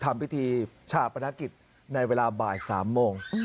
ทำพิธีชาปนกิจในเวลาบ่าย๓โมง